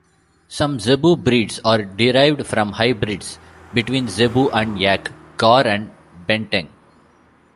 Some zebu breeds are derived from hybrids between zebu and yak, gaur and banteng.